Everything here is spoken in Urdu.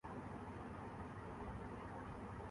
سلطان گولڈن کا کالام فیسٹیول میں ریورس کار جمپ کا شاندار مظاہرہ